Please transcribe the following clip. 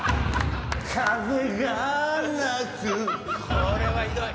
これはひどい。